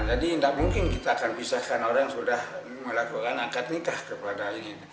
jadi tidak mungkin kita akan bisakan orang yang sudah melakukan akad nikah kepada ini